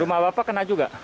rumah bapak kena juga